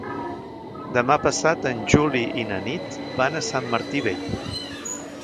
Demà passat en Juli i na Nit van a Sant Martí Vell.